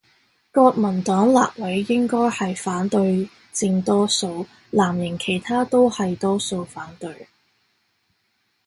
國民黨立委應該係反對佔多數，藍營其他都係多數反對